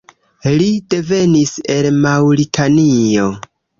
Li devenis el Maŭritanio.